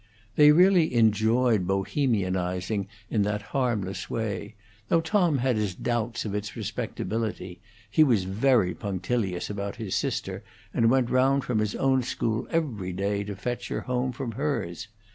They really enjoyed Bohemianizing in that harmless way: though Tom had his doubts of its respectability; he was very punctilious about his sister, and went round from his own school every day to fetch her home from hers.